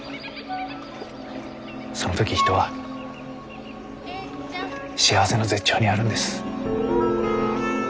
その時人は幸せの絶頂にあるんです。